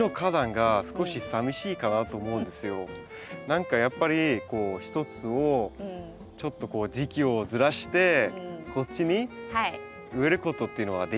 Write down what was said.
何かやっぱり一つをちょっとこう時期をずらしてこっちに植えることっていうのはできないですかね？